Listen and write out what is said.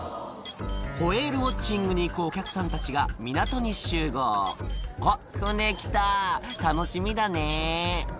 ホエールウオッチングに行くお客さんたちが港に集合「あっ船来た楽しみだね」